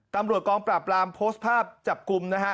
ตำรวจกองปราบรามโพสต์ภาพจับกลุ่มนะฮะ